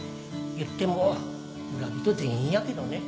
言っても村人全員やけどね